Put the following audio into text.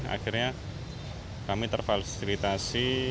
akhirnya kami terfasilitasi